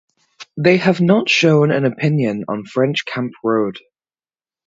They have not shown an opinion on French Camp Road.